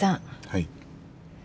はい。